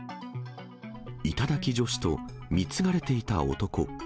頂き女子と貢がれていた男。